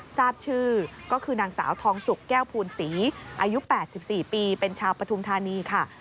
ทราบชื่อก็คือนางสาวทองสุกแก้วภูนศรีอายุ๘๔ปีเป็นชาวปฐุมธานีค่ะ